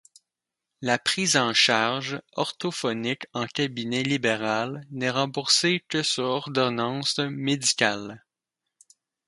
La prise en charge orthophonique en cabinet libéral n'est remboursée que sur ordonnance médicale.